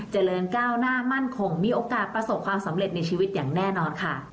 เจริญก้าวหน้ามั่นคงมีโอกาสประสบความสำเร็จในชีวิตอย่างแน่นอนค่ะ